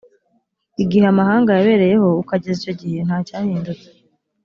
igihe amahanga yabereyeho ukageza icyo gihe, ntacyahindutse